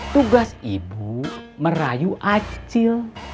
tugas ibu merayu acil